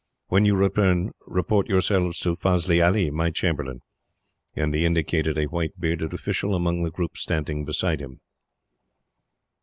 When you return, report yourselves to Fazli Ali, my chamberlain;" and he indicated a white bearded official, among the group standing beside him.